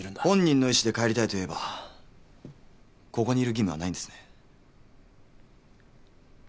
本人の意思で帰りたいと言えばここにいる義務はないんですね？